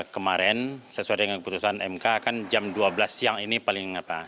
kemarin sesuai dengan keputusan mk kan jam dua belas siang ini paling apa